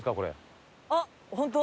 あっ本当